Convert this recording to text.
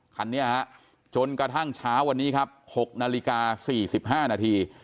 คันนี้ฮะจนกระทั่งเช้าวันนี้ครับ๖นาฬิกา๔๕นาที